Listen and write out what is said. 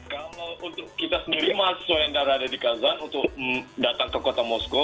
kalau untuk kita sendiri masjid yang ada di kazan untuk datang ke kota mosko